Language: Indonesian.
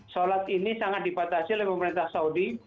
sholat ini sangat dibatasi oleh pemerintah saudi